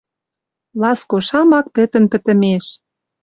Ласко шамак пӹтӹн пӹтӹмеш.